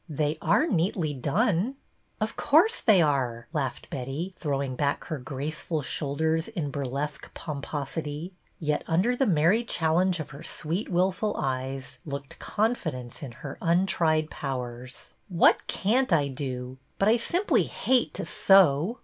" They are neatly done." '' Of course they are," laughed Betty, throwing back her graceful shoulders in burlesque pompos ity. Yet under the merry challenge of her sweet wilful eyes looked confidence in her untried pow ers. ''What can't I do? But I simply hate to sew!"